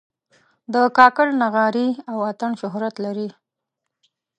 د کاکړ نغارې او اتڼ شهرت لري.